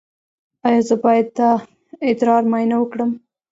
ایا زه باید د ادرار معاینه وکړم؟